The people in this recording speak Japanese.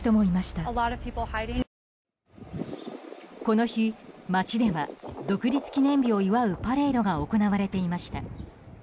この日、街では独立記念日を祝うパレードが行われていました。